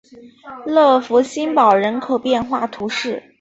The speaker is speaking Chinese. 勒福新堡人口变化图示